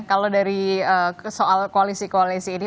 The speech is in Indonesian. kalau dari soal koalisi koalisi ini